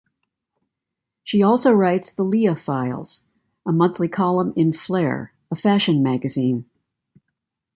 She also writes "The Leah Files", a monthly column in "Flare", a fashion magazine.